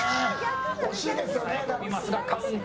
惜しいですよね。